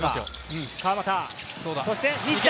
川真田、そして西田。